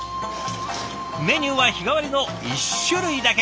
メニューは日替わりの１種類だけ。